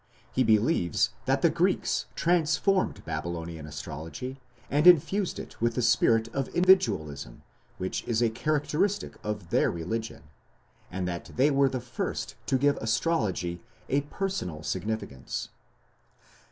He believes that the Greeks transformed Babylonian astrology and infused it with the spirit of individualism which is a characteristic of their religion, and that they were the first to give astrology a personal significance.